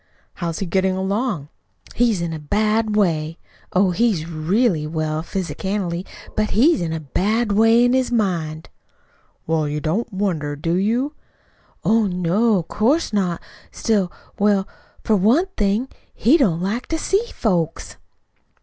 "How is he getting along?" "He's in a bad way. Oh, he's real well physicianally, but he's in a bad way in his mind." "Well, you don't wonder, do you?" "Oh, no, 'course not. Still, well, for one thing, he don't like to see folks."